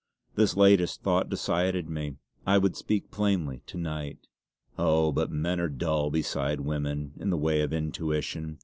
This latest thought decided me. I would speak plainly to night. Oh, but men are dull beside women in the way of intuition.